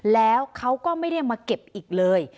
แล้วเขาก็ไม่ได้มาเก็บอีกเลย